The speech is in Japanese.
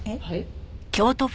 はい？